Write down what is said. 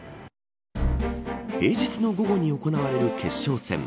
平日の午後に行われる決勝戦。